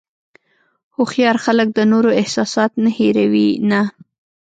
هوښیار خلک د نورو احساسات نه هیروي نه.